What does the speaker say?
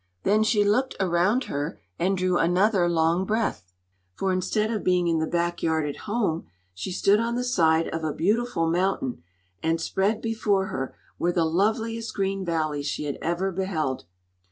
Then she looked around her and drew another long breath, for instead of being in the back yard at home she stood on the side of a beautiful mountain, and spread before her were the loveliest green valleys she had ever beheld.